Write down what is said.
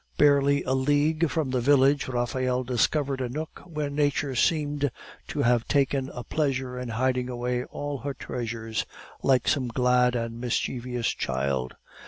Barely a league from the village Raphael discovered a nook where nature seemed to have taken a pleasure in hiding away all her treasures like some glad and mischievous child.